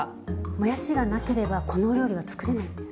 もやしがなければこのお料理は作れないんです。